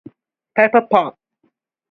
Pepperpot!